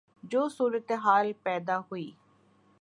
جو صورتحال پیدا ہوئی